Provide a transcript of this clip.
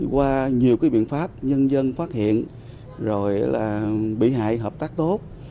qua nhiều biện pháp nhân dân phát hiện bị hại hợp tác tốt